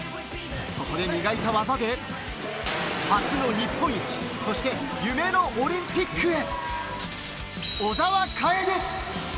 そこで磨いた技で初の日本一、そして夢のオリンピックへ。